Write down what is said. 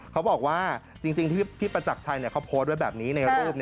เขาบอกว่าจริงที่พี่ประจักรชัยเขาโพสต์ไว้แบบนี้ในรูป